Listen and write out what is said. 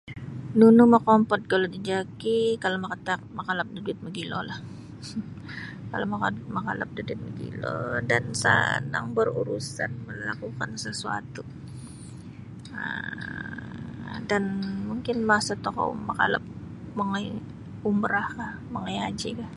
Nunu mokompot kalau di jakii kalau makataak makalap da duit mogilo lah kalau mongod makalap da duit mogilo dan sanang berurusan melakukan sesuatu um dan mungkin masa tokou makalap mongoi umrah ka, mongoi haji ka.